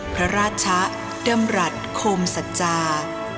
พระราชะดำรัฐโคมสัจจา